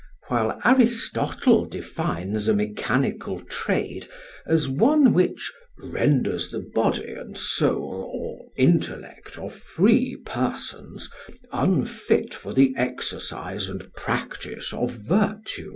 ] while Aristotle defines a mechanical trade as one which "renders the body and soul or intellect of free persons unfit for the exercise and practice of virtue;" [Footnote: Arist.